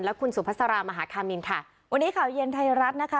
และคุณสุพสรมาหาคามิลค่ะวันนี้ข่าวเย็นไทยรัฐนะคะ